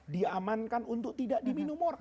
diamankan untuk tidak diminum